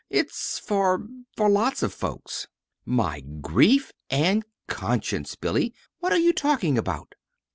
It's for for lots of folks." "My grief and conscience, Billy! What are you talking about?"